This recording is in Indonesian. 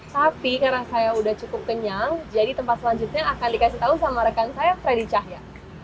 tapi karena saya sudah cukup kenyang jadi tempat selanjutnya akan dikasih tahu sama rekan saya freddy cahya